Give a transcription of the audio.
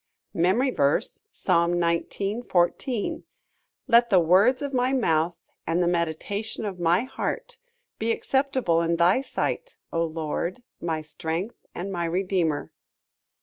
MEMORY VERSE, Psalm 19: 14 "Let the words of my mouth, and the meditation of my heart, be acceptable in thy sight, O Lord, my strength and my redeemer."